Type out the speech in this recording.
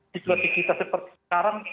situasi kita seperti sekarang